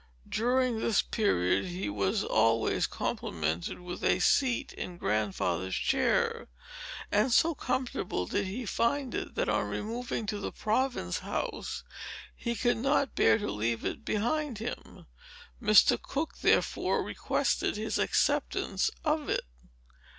During this period, he was always complimented with a seat in Grandfather's chair; and so comfortable did he find it, that on removing to the Province House, he could not bear to leave it behind him. Mr. Cooke, therefore, requested his acceptance of it.